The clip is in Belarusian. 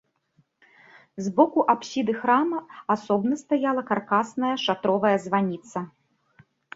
З боку апсіды храма асобна стаяла каркасная шатровая званіца.